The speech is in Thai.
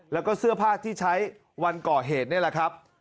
แล้วก็เสื้อผ้าที่ใช้วันก่อเหตุนี่แหละครับ